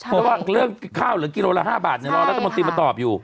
เพราะว่าเรื่องข้าวหรือกิโลละ๕บาทรอรัฐมนตรีมาตอบอยู่